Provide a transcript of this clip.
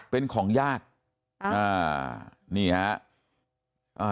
เป็นของญาตินี่ฮะ